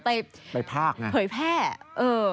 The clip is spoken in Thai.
ไปเผยแพร่